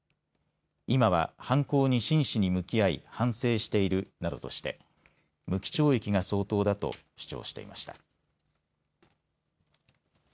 今は犯行に真摯に向き合い反省しているなどとして無期懲役が相当だと主張していました。